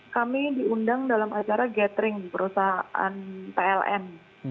kami diundang dalam acara gathering di perusahaan pln